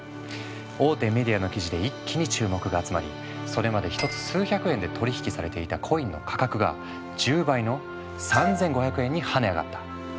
大手メディアの記事で一気に注目が集まりそれまで１つ数百円で取引されていたコインの価格が１０倍の３，５００円に跳ね上がった。